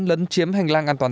lấn chiếm hành lang an toàn